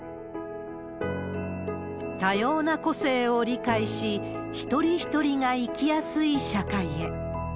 多様な個性を理解し、一人一人が生きやすい社会へ。